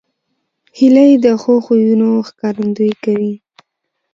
هیلۍ د ښو خویونو ښکارندویي کوي